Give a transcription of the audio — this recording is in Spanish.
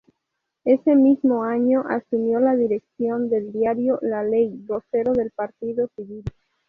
Ese mismo año asumió la dirección del diario "La Ley", vocero del Partido Civil.